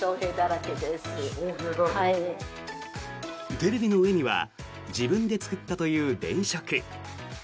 テレビの上には自分で作ったという電飾。